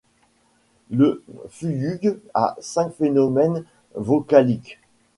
Le fuyug a cinq phonèmes vocaliques.